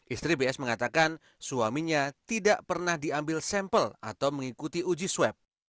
istri bs mengatakan suaminya tidak pernah diambil sampel atau mengikuti uji swab